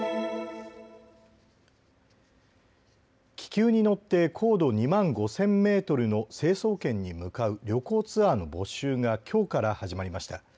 気球に乗って高度２万５０００メートルの成層圏に向かう旅行ツアーの募集がきょうから始まりました。